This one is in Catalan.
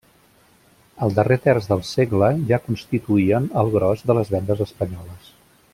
Al darrer terç del segle ja constituïen el gros de les vendes espanyoles.